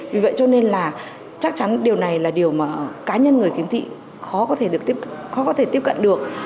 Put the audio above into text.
vì vậy cho nên là chắc chắn điều này là điều mà cá nhân người khiếm thị khó có thể tiếp cận được